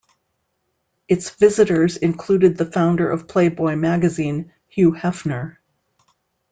Its visitors included the founder of Playboy Magazine, Hugh Hefner.